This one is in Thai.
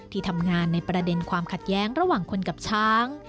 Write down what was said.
ที่ทำงานในประเด็นความขัดแย้งระหว่างคนกับช้าง